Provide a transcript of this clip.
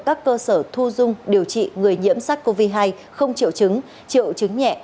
các cơ sở thu dung điều trị người nhiễm sắc covid một mươi chín không triệu chứng triệu chứng nhẹ